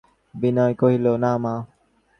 বিনয় কহিল, না, মা!